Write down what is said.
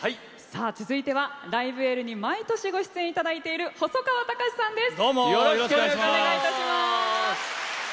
続いては「ライブ・エール」に毎年ご出演していただいている細川たかしさんです。